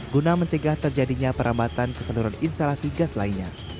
guna mencegah terjadinya perambatan keseluruhan instalasi gas lainnya